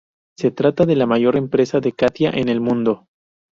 Se trata de la mayor empresa de Katia en el mundo.